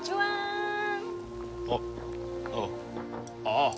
ああ